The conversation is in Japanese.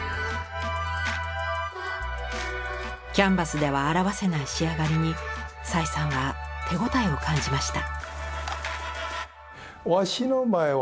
キャンバスでは表せない仕上がりに蔡さんは手応えを感じました。